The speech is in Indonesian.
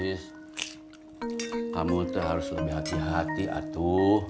tis kamu itu harus lebih hati hati atu